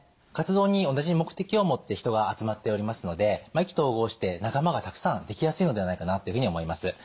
活動に同じ目的を持って人が集まっておりますので意気投合して仲間がたくさんできやすいのではないかなっていうふうに思います。